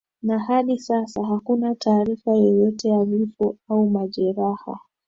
na hadi sasa hakuna taarifa yoyote ya vifo au majeraha